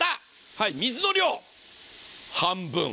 はい、水の量、半分。